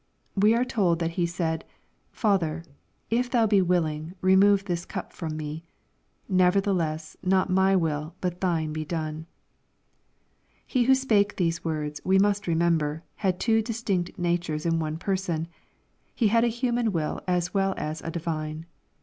We are told that He said, "Father, if thou be \ willing, remove this cup from me : nevertheless^, not n)y will, but thine be done." He who spake these words, we must remember, had two distinct natures in one Person. He had a human will as well as a divine.